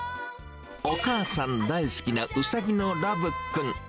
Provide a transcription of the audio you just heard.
お母さん大好きなウサギのラブくん。